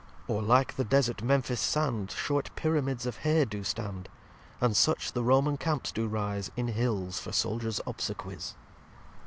Or, like the Desert Memphis Sand, Short Pyramids of Hay do stand. And such the Roman Camps do rise In Hills for Soldiers Obsequies.